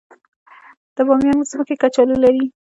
د بامیان ځمکې کچالو لري